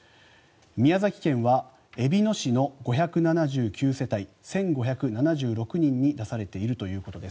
宮崎県はえびの市の５７３世帯１７６３人に出されているということです。